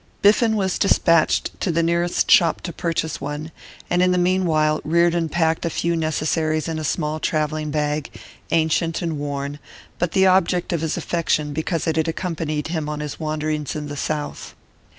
Biffen was despatched to the nearest shop to purchase one, and in the meanwhile Reardon packed a few necessaries in a small travelling bag, ancient and worn, but the object of his affection because it had accompanied him on his wanderings in the South.